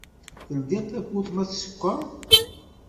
Teldiḍ tawwurt ma tsekker.